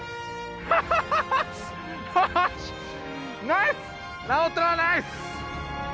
ナイス！